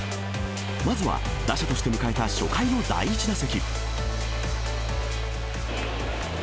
まずは打者として迎えた初回の第１打席。